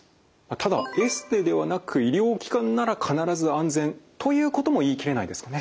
ただエステではなく医療機関なら必ず安全ということも言い切れないですかね？